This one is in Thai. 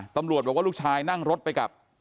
ตำรวจบอกว่าลูกชายนั่งรถไปกับ